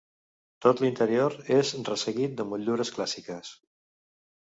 Tot l'interior és resseguit de motllures clàssiques.